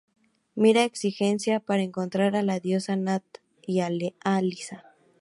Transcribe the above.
Mirar exigencias para encontrar a la diosa, Nathan, y Alisa.